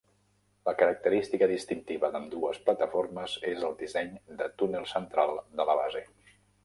La característica distintiva d'ambdues plataformes és el disseny de túnel central de la base.